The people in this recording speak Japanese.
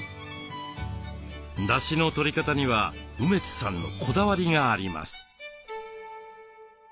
だしのとり方には梅津さんのこだわりがあります。